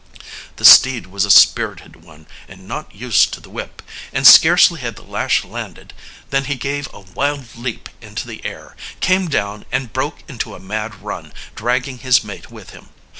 The steed was a spirited one and not used to the whip, and scarcely had the lash landed than he gave a wild leap into the air, came down, and broke into a mad run, dragging his mate with him.